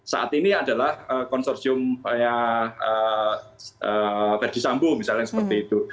saat ini adalah konsorsium pedi sambu misalnya yang seperti itu